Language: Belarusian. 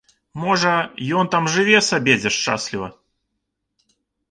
Можа, ён там жыве сабе дзе шчасліва.